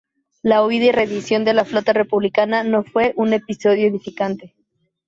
La huida y rendición de la flota republicana no fue "un episodio edificante.